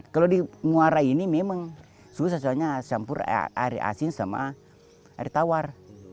kalau di muara ini memang susah soalnya campur air asin sama air tawar